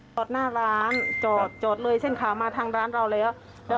จอดหน้าร้านจอดจอดเลยเส้นขาวมาทางร้านเราแล้ว